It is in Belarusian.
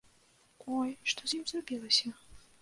Ой, што з ім зрабілася?